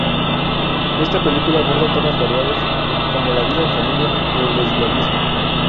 Esta película aborda temas variados, como la vida en familia o el lesbianismo.